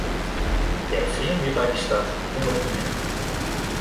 Hearrenfean wie by dy start nûmer ien.